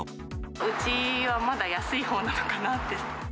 うちはまだ安いほうなのかなって。